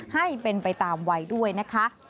ให้เป็นไปตามวัยด้วยนะคะ